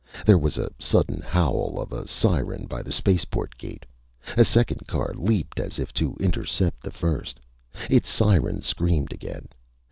There was a sudden howl of a siren by the spaceport gate. A second car leaped as if to intercept the first. Its siren screamed again.